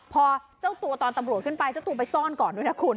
พอเจ้าตัวตอนตำรวจขึ้นไปเจ้าตัวไปซ่อนก่อนด้วยนะคุณ